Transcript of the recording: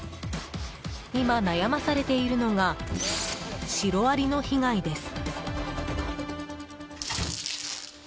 今、悩まされているのがシロアリの被害です。